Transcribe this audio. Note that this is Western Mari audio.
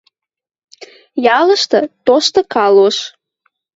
Ялышты – тошты калош.